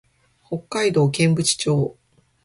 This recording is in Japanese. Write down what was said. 北海道剣淵町